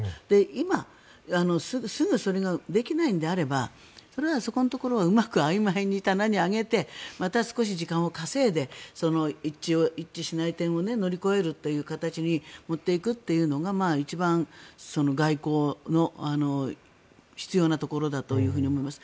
今、すぐそれができないのであればそれはそこのところはうまくあいまいに棚に上げてまた少し時間を稼いで一致しない点を乗り越えるという形に持っていくというのが一番外交の必要なところだと思います。